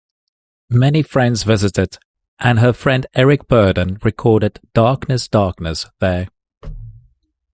Many friends visited, and her friend Eric Burdon recorded "Darkness Darkness" there.